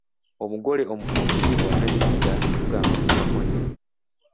Omugole omufumirire bw’atanyirira tugamba nti yakonye.